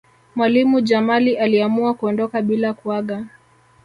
mwalimu jamali aliamua kuondoka bila kuaga